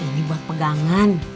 ini buat pegangan